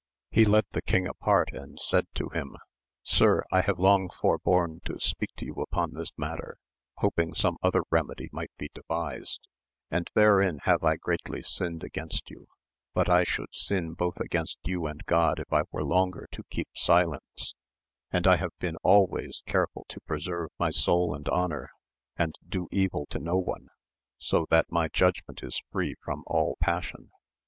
He led the king apart and said 104 AMADI8 OF GAUL. to him, Sir, I have long forborne to speak to you upon this matter, hoping some other remedy might be devised, and therein have I greatly sinned against you ; but I should sin both against you and God if I were longer to keep silence, and I have been always careful to preserve my soul and honour, and do evil to no one, so that my judgment is free from all passion.